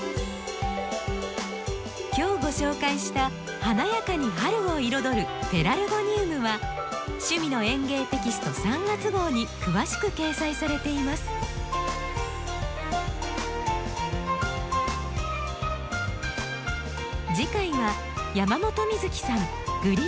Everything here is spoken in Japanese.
今日ご紹介した「華やかに春を彩るペラルゴニウム」は「趣味の園芸」テキスト３月号に詳しく掲載されています。をお送りします。